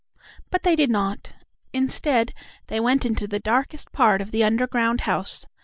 But they did not. Instead, they went into the darkest part of the underground house.